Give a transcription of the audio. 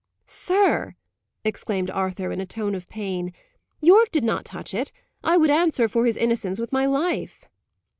"Sir!" exclaimed Arthur, in a tone of pain, "Yorke did not touch it. I would answer for his innocence with my life."